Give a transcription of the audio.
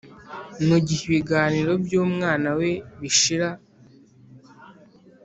mugihe ibiganiro byumwana we bishira,